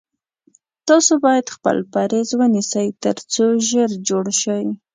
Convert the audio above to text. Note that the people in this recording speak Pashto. تاسو باید خپل پریز ونیسی تر څو ژر جوړ شی